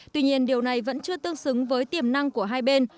tuy nhiên điều này vẫn chưa tương xứng với tiềm năng của hai bên